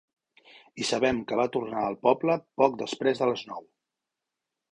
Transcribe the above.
I sabem que va tornar al poble poc després de les nou.